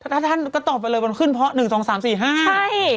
ถ้าท่านก็ตอบไปเลยมันขึ้นเพราะหนึ่งสองสามสี่ห้าใช่